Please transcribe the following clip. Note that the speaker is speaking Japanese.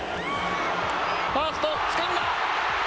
ファースト、つかんだ。